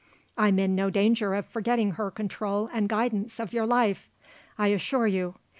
I'm in no danger of forgetting her control and guidance of your life, I assure you.